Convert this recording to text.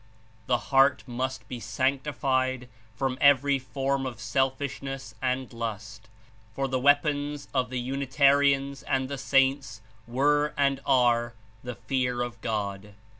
The heart must be sanctified from every form of selfish ness and lust, for the weapons of the unitarians and the saints were and are the fear of God."